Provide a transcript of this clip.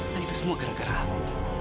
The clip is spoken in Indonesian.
dan itu semua gara gara aku